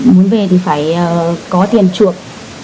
muốn về thì phải có tiền chuộc